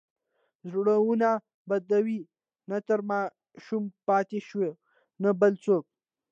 زړونه بدوي، نه ترې ماشوم پاتې شو، نه بل څوک.